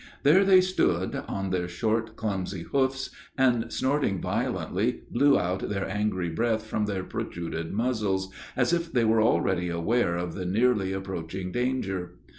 There they stood, on their short, clumsy hoofs, and, snorting violently, blew out their angry breath from their protruded muzzles, as if they were already aware of the nearly approaching danger.